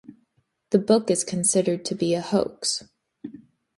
The book is considered to be a hoax.